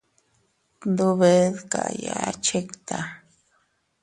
Tndube dkaya chikta.